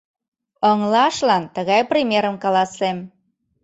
Ыҥлашлан тыгай примерым каласем.